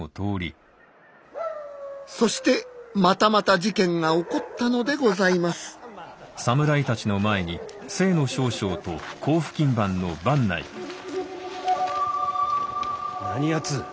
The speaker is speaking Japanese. そしてまたまた事件が起こったのでございます何やつ。